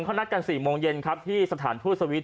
เขานับกัน๔โมงเย็นครับสถานทูทซวิช